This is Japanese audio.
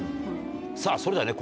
さぁそれではね